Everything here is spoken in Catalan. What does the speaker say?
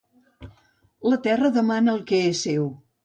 La terra demana el que és seu.